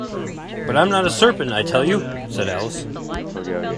‘But I’m not a serpent, I tell you!’ said Alice.